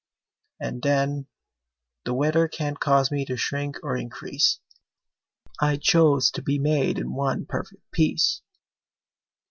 And, then, The weather can't cause me to shrink or increase: I chose to be made in one perfect piece!